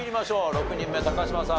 ６人目嶋さん